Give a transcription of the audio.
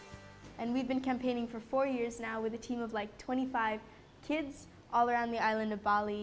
kami telah berkampanye selama empat tahun sekarang dengan tim dua puluh lima anak anak di seluruh pulau bali